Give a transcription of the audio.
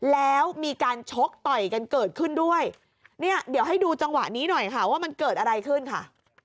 แล้วมีการชกต่อยกันเกิดขึ้นด้วยเนี่ยเดี๋ยวให้ดูจังหวะนี้หน่อยค่ะว่ามันเกิดอะไรขึ้นค่ะ